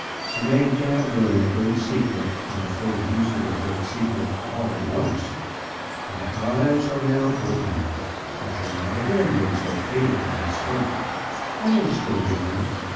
A man cannot learn a great secret, and the full use of a great secret, all at once. My eyes are now open. I shall not again make so fatal a mistake. I am still young.